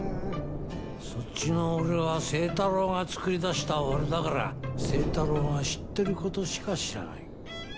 そっちの俺は星太郎が作り出した俺だから星太郎が知ってる事しか知らない。